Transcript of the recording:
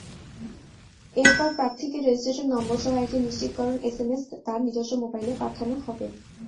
এরপর প্রার্থীকে রেজিস্ট্রেশন নম্বরসহ একটি নিশ্চিতকরণ এসএমএস তাঁর নিজস্ব মোবাইলে পাঠানো হবে।